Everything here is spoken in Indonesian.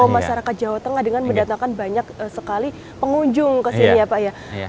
masyarakat jawa tengah dengan mendatangkan banyak sekali pengunjung ke sini ya pak ya